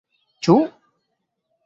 Ĉu.